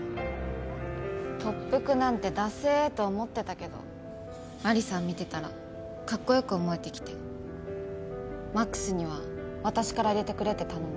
特服なんてダセえと思ってたけどマリさん見てたらカッコ良く思えてきて魔苦須には私から入れてくれって頼んだ。